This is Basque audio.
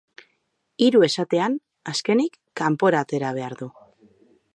Hiru esatean, azkenik, kanpora atera behar du.